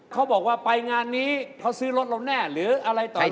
เขาบอกว่าไปงานนี้เขาซื้อรถเราแน่หรืออะไรต่อไป